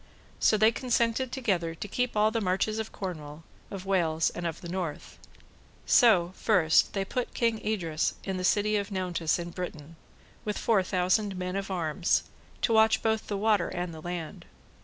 So they consented together to keep all the marches of Cornwall, of Wales, and of the North. So first, they put King Idres in the City of Nauntes in Britain, with four thousand men of arms, to watch both the water and the land.